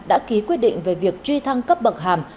đã ký quyết định về việc truy thăng cấp bậc hàm